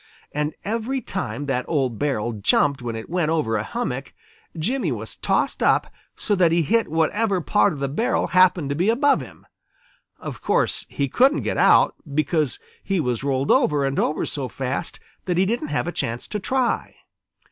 And every time that old barrel jumped when it went over a hummock, Jimmy was tossed up so that he hit whatever part of the barrel happened to be above him. Of course, he couldn't get out, because he was rolled over and over so fast that he didn't have a chance to try.